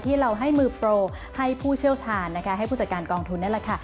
เราให้มือโปรให้ผู้เชี่ยวชาญนะคะให้ผู้จัดการกองทุนนั่นแหละค่ะ